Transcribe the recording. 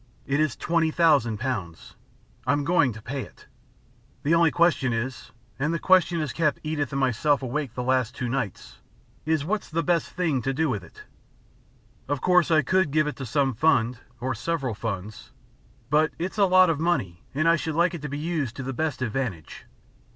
It is twenty thousand pounds. I'm going to pay it. The only question is and the question has kept Edith and myself awake the last two nights is what's the best thing to do with it? Of course I could give it to some fund, or several funds, but it's a lot of money and I should like it to be used to the best advantage.